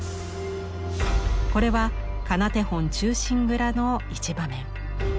これは「仮名手本忠臣蔵」の一場面。